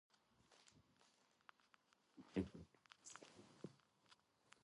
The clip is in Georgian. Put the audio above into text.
ცხოვრობდნენ ზღვისა და წყალსატევის სანაპიროებზე.